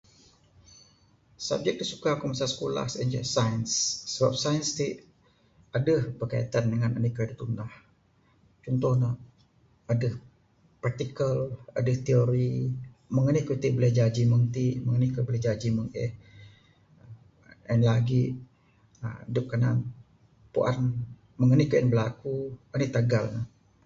Subject da suka ku masa sikulah sien ce sains. Sabab sains ti adeh berkaitan dangan anih da tunah. Cuntoh ne adeh particle adeh theory. Meng anih kayuh ti buleh jaji meng ti meng anih kayuh ti jaji meng eh. Dangan lagi adep puan meng anih kayuh en berlaku anih tagal ne.